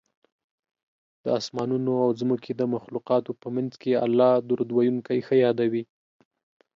د اسمانونو او ځمکې د مخلوقاتو په منځ کې الله درود ویونکی ښه یادوي